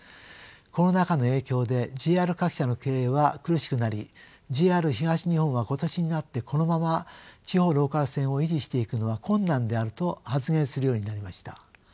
コロナ禍の影響でＪＲ各社の経営は苦しくなりＪＲ東日本は今年になってこのまま地方ローカル線を維持していくのは困難であると発言するようになりました。